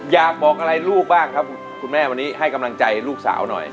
อยากบอกอะไรลูกบ้างครับคุณแม่วันนี้ให้กำลังใจลูกสาวหน่อย